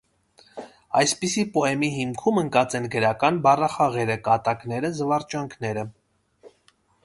Այսպիսի պոեմի հիմքում ընկած են գրական բառախաղերը, կատակները, զվարճանքները։